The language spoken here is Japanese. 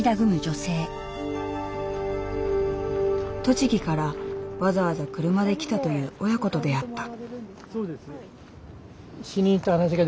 栃木からわざわざ車で来たという親子と出会った。